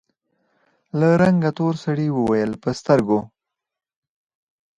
له رنګه تور سړي وويل: په سترګو!